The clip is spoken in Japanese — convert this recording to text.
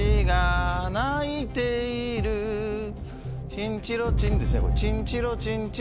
チンチロチンですねこれ。